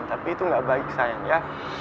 tapi itu gak baik sayang ya